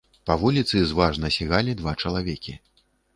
Па вуліцы зважна сігалі два чалавекі.